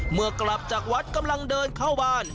เมื่อกลับจากวัดกำลังเดินเข้าบ้าน